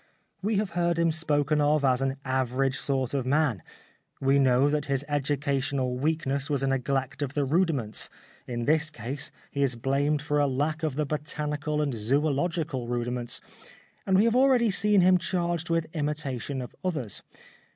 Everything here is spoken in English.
We have heard him spoken of as " an average sort of man "; we know that his educational weakness was a neglect of the rudiments — in this case he is blamed for a lack of the botanical and zoological rudiments ; 182 The Life of Oscar Wilde and we have already seen him charged with imitation of others.